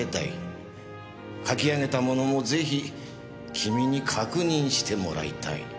書き上げたものもぜひ君に確認してもらいたい。